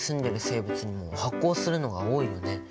生物にも発光するのが多いよね。